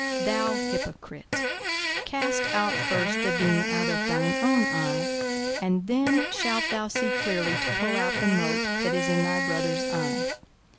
Thou hypocrite, cast out first the beam out of thine own eye, and then shalt thou see clearly to pull out the mote that is in thy brother's eye.